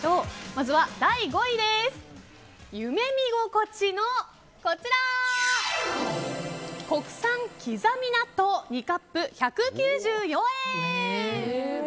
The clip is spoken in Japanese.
まずは第５位夢見心地、国産きざみ納豆２カップ１９４円。